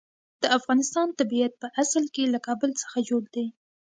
د افغانستان طبیعت په اصل کې له کابل څخه جوړ دی.